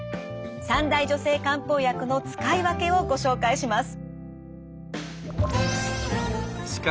三大女性漢方薬の使い分けをご紹介します。